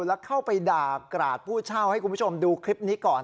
แล้วเข้าไปด่ากราดผู้เช่าให้คุณผู้ชมดูคลิปนี้ก่อน